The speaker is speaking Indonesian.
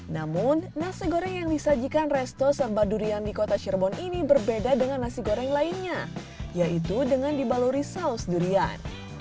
namun nasi goreng yang disajikan resto serba durian di kota cirebon ini berbeda dengan nasi goreng lainnya yaitu dengan dibaluri saus durian